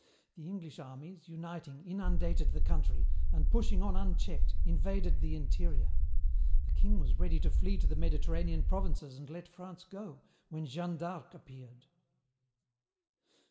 The English armies, uniting, inundated the country, and, pushing on unchecked, invaded the interior. The king was ready to flee to the Mediterranean provinces and let France go, when Jeanne d'Arc appeared.